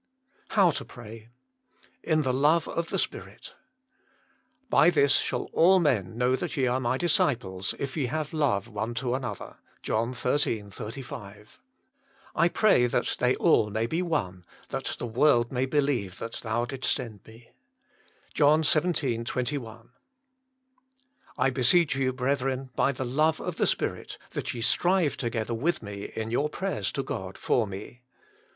7iow TO PEAY. lit tlje ICobe of tlje Spirit " By this shall all mon know that ye are My disciples, if ye have love one to another." JOHN xiii. 3f>. " I pray that they all may be one, that the world may believe that Thou didst send Me." JOHN xvii. 21. "I beseech you, brethren, by the love of the Spirit, that ye strive together with me in your prayers to God for me.